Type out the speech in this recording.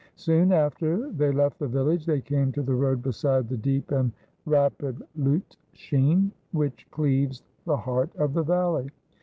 Soon after they left the village they came to the road beside the deep and rapid Lutschine, which cleaves the heart of the valley.